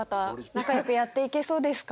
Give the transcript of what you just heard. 仲良くやっていけそうですか？